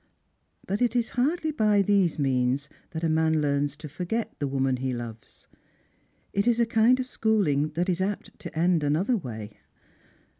But it is hardly by these means that a man learns to for get the woman he loves. It is a kind of schooling that is apt to end another way.